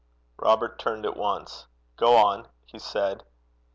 Robert turned at once. 'Go on,' he said.